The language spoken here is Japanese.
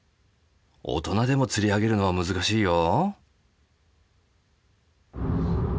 大人でも釣り上げるのは難しいよ。